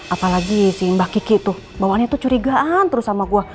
apalagi si mbah kiki tuh bawaannya tuh curigaan terus sama gue